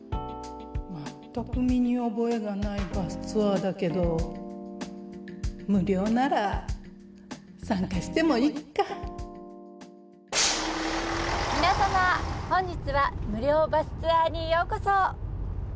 全く身に覚えがないバスツアーだけど、無料なら、皆様、本日は無料バスツアーにようこそ。